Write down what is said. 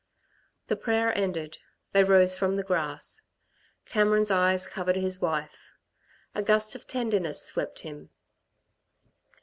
The prayer ended, they rose from the grass. Cameron's eyes covered his wife. A gust of tenderness swept him.